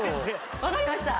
分かりました。